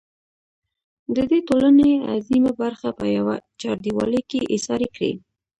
د دې ټـولنې اعظـيمه بـرخـه پـه يـوه چـارديـوالي کـې اېـسارې کـړي.